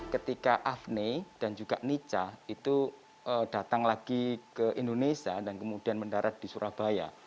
ketika afne dan juga nicha itu datang lagi ke indonesia dan kemudian mendarat di surabaya